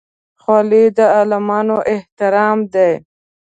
خولۍ د عالمانو احترام دی.